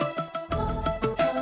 nih aku tidur